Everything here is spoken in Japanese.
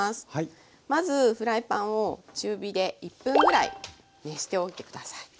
まずフライパンを中火で１分ぐらい熱しておいて下さい。